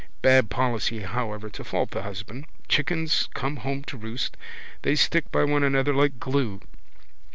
Bad policy however to fault the husband. Chickens come home to roost. They stick by one another like glue.